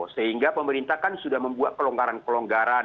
sehingga pemerintah kan sudah membuat pelonggaran pelonggaran